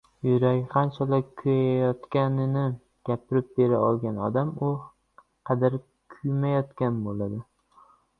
Yuragi qanchalik kuyayotganini gapirib bera olgan odam u qadar kuymayotgan bo‘ladi.